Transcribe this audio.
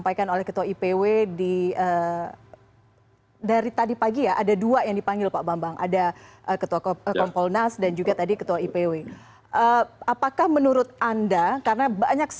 itu yang lebih penting